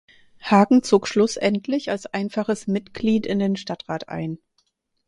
Hagen zog schlussendlich als einfaches Mitglied in den Stadtrat ein.